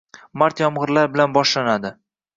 Mart yomgʻirlar bilan boshlanadi